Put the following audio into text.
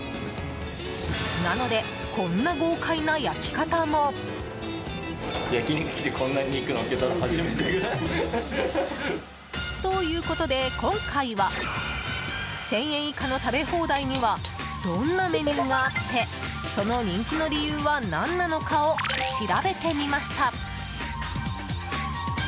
なので、こんな豪快な焼き方も！ということで今回は１０００円以下の食べ放題にはどんなメニューがあってその人気の理由は何なのかを調べてみました。